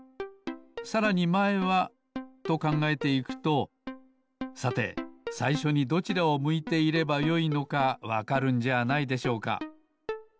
さらにまえはと考えていくとさてさいしょにどちらを向いていればよいのかわかるんじゃないでしょうか。